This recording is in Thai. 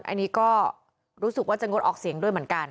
อันนี้ก็รู้สึกว่าจะงดออกเสียงด้วยเหมือนกัน